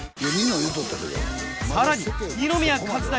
さらに二宮和也